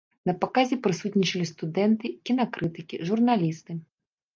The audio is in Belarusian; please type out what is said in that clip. На паказе прысутнічалі студэнты, кінакрытыкі, журналісты.